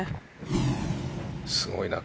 すごいな。